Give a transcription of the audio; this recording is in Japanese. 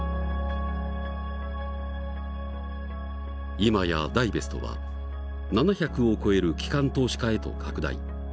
今やダイベストは７００を超える機関投資家へと拡大。